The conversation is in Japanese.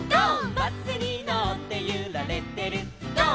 「バスにのってゆられてるゴー！